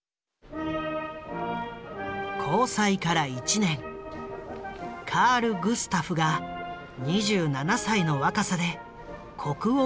交際から１年カール・グスタフが２７歳の若さで国王に即位。